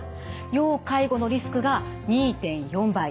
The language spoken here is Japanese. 要介護のリスクが２．４倍。